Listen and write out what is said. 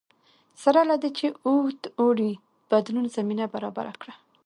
سره له دې چې اوږد اوړي بدلون زمینه برابره کړه